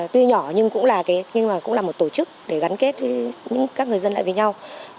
tuy nhỏ nhưng cũng là một tổ chức để gắn kết các người dân lại với nhau